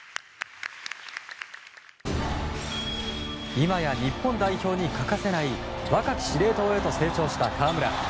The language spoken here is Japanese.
今や日本代表に欠かせない若き司令塔へと成長した河村。